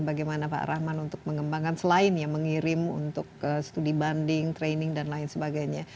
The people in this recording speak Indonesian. bagaimana pak rahman untuk mengembangkan selain ya mengirim untuk studi banding training dan lain sebagainya